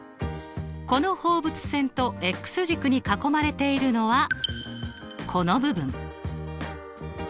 この放物線と軸に囲まれているのはこの部分。